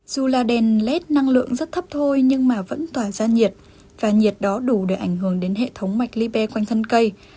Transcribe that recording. dù là đèn led năng lượng rất thấp thôi nhưng mà vẫn tỏa ra nhiệt và nhiệt đó đủ để ảnh hưởng đến hệ thống mạch liber quanh thân cây